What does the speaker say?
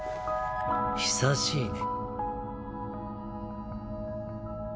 久しいね。